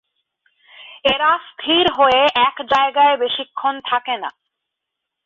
এরা স্থির হয়ে এক জায়গায় বেশিক্ষণ থাকেনা।